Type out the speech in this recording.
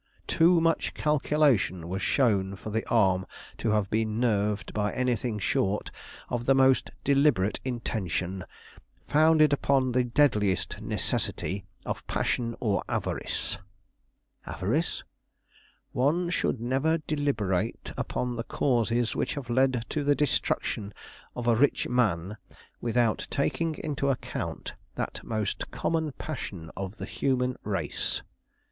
Too much calculation was shown for the arm to have been nerved by anything short of the most deliberate intention, founded upon the deadliest necessity of passion or avarice." "Avarice?" "One should never deliberate upon the causes which have led to the destruction of a rich man without taking into account that most common passion of the human race."